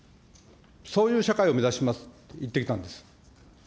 そういう社会を目指しますと言ってきたんです。